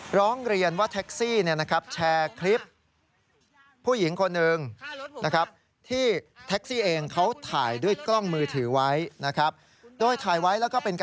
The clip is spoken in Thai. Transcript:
หรองเรียนว่าแท็กซี่เนี่ยเนี่ยแนะครับแชรคลิป